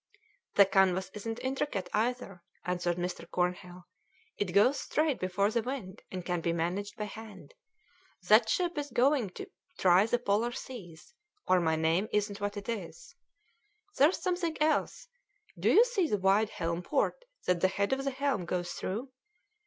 "The canvas isn't intricate either," answered Mr. Cornhill; "it goes straight before the wind, and can be managed by hand. That ship is going to try the Polar seas, or my name isn't what it is. There's something else do you see the wide helm port that the head of her helm goes through?"